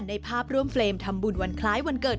ในภาพร่วมเฟรมทำบุญวันคล้ายวันเกิด